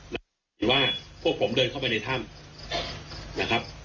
เห็นว่าพวกผมเดินเข้าไปในถ้ำนะครับ